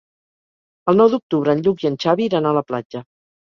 El nou d'octubre en Lluc i en Xavi iran a la platja.